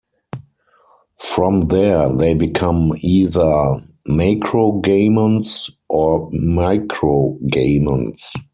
From there they become either macrogamonts or microgamonts.